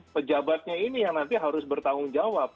pejabatnya ini yang nanti harus bertanggung jawab